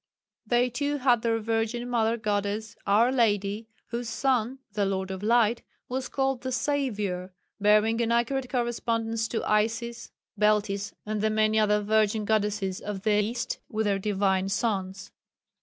They too had their virgin mother goddess, "Our Lady" whose son, the "Lord of Light," was called the "Saviour," bearing an accurate correspondence to Isis, Beltis and the many other virgin goddesses of the east with their divine sons.